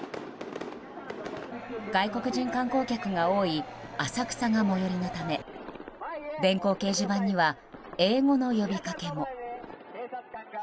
外国人観光客が多い浅草が最寄りのため電光掲示板には英語の呼びかけも。